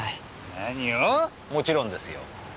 何をっ⁉もちろんですよ。